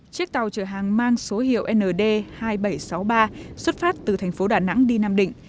chiếc tàu chở hàng mang số hiệu nd hai nghìn bảy trăm sáu mươi ba xuất phát từ thành phố đà nẵng đi nam định